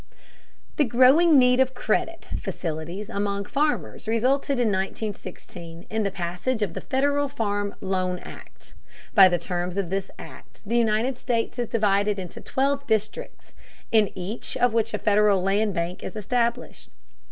The growing need of credit facilities among farmers resulted in 1916 in the passage of the Federal Farm Loan Act. By the terms of this act, the United States is divided into twelve districts, in each of which a Federal land bank is established.